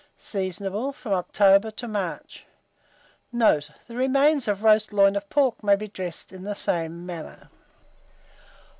Seasonable from October to March. Note. The remains of roast loin of pork may be dressed in the same manner.